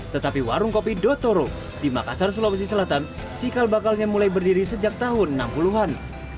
tetapi warung kopi dotoro di makassar sulawesi selatan cikal bakalnya mulai berdiri sejak tahun enam puluh an